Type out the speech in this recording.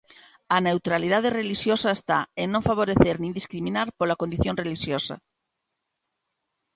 A neutralidade relixiosa está en non favorecer nin discriminar pola condición relixiosa.